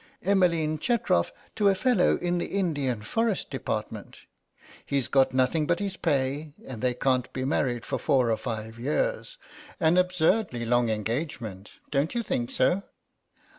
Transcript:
"Emmeline Chetrof to a fellow in the Indian Forest Department. He's got nothing but his pay and they can't be married for four or five years; an absurdly long engagement, don't you think so?